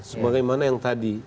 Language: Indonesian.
sebagaimana yang tadi